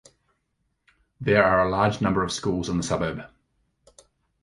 There are a large number of schools in the suburb.